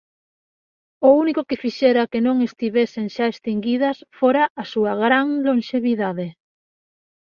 O único que fixera que non estivesen xa extinguidas fora a súa gran lonxevidade.